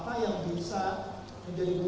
tapi kpk belum bisa mementikan itu